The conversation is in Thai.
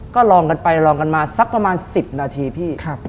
ก็ลองกันไปลองกันมาสักประมาณ๑๐นาทีพี่